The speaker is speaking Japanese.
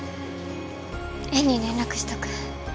園に連絡しとく